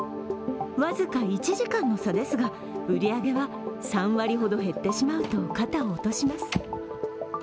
僅か１時間の差ですが売り上げは３割ほど減ってしまうと肩を落とします。